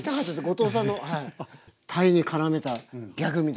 後藤さんの鯛にからめたギャグみたいなね。